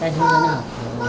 cháu có phạt đờm nhiều